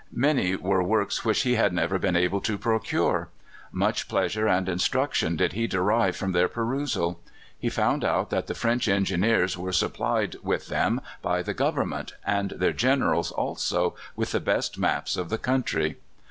Many were works which he had never been able to procure. Much pleasure and instruction did he derive from their perusal. He found out that the French Engineers were supplied with them by the Government, and their Generals also with the best maps of the country.